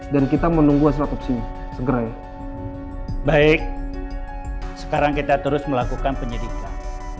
dan kita menunggu asal opsi segera baik sekarang kita terus melakukan penyelidikan